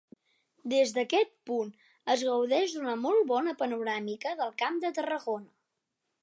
Des d'aquest punt es gaudeix d'una molt bona panoràmica del Camp de Tarragona.